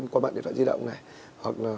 qua mạng điện thoại di động này hoặc là